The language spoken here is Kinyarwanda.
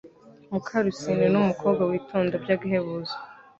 Mukarusine ni umukobwa witonda by’agahebuzo